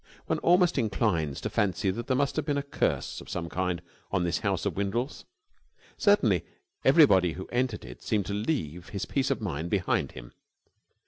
One almost inclines to fancy that there must have been a curse of some kind on this house of Windles. Certainly everybody who entered it seemed to leave his peace of mind behind him.